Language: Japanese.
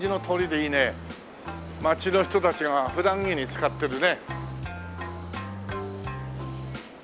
街の人たちが普段着に使ってるね。